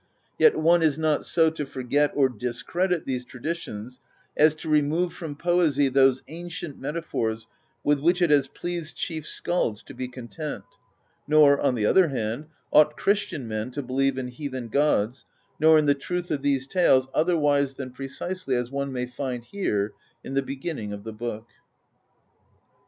Yet one is not so to forget or discredit these traditions as to remove from poesy those ancient metaphors with which it has pleased Chief Skalds to be content ; nor, on the other hand, ought Christian men to believe in heathen gods, nor in the truth of these tales otherwise than precisely as one may find here in the begin ning of the book.